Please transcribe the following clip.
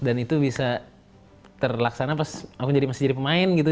dan itu bisa terlaksana pas aku masih jadi pemain gitu